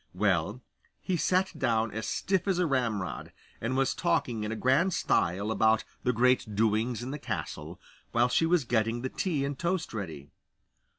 Well, he sat down as stiff as a ramrod, and was talking in a grand style about the great doings at the castle, while she was getting the tea and toast ready.